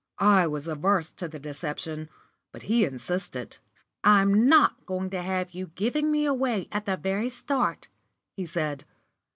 I was averse to the deception, but he insisted. "I'm not going to have you giving me away at the very start," he said.